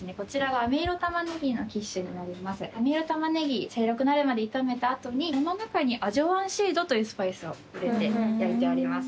あめ色タマネギ茶色くなるまで炒めた後にその中にアジョワンシードというスパイスを入れて焼いております。